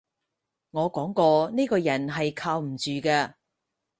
我講過呢個人係靠唔住嘅